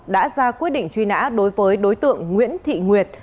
đã ra quyết định truy nã đối với đối tượng nguyễn thị nguyệt